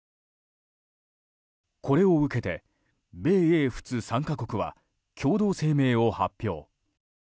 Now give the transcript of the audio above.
これを受けて米英仏３か国は共同声明を発表。